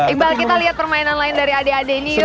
iqbal kita lihat permainan lain dari adik adik ini yuk